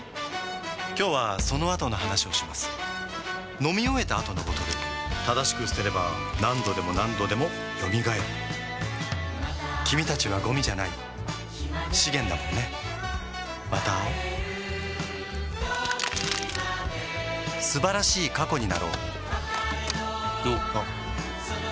今日はそのあとの話をします飲み終えた後のボトル正しく捨てれば何度でも何度でも蘇る君たちはゴミじゃない資源だもんねまた会おう素晴らしい過去になろうおっおっ